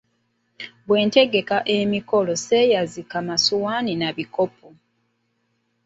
Bwe ntegeka emikolo sseeyazika masowaani na bikopo.